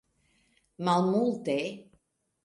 malmulte